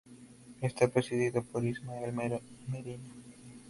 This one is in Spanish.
Está presidido por Ismael Merino.